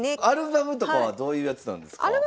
アルバムとかはどういうやつなんですか？